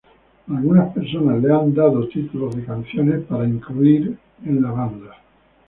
Algunas personas le han dado títulos de canción para incluir a la banda.